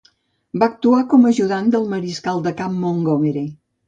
Va actuar com a ajudant del Mariscal de Camp Montgomery.